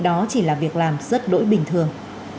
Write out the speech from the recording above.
nó chỉ là việc làm rất đỗi bình thường